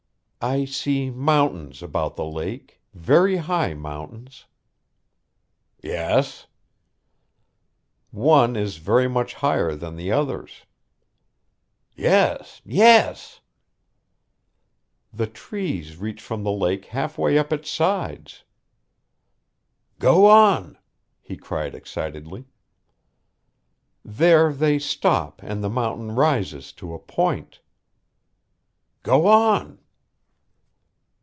"I see mountains about the lake very high mountains." "Yes." "One is very much higher than the others." "Yes! Yes!" "The trees reach from the lake halfway up its sides." "Go on!" he cried excitedly. "There they stop and the mountain rises to a point." "Go on!"